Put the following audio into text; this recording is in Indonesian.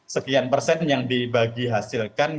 sekian persen yang dibagi hasilkan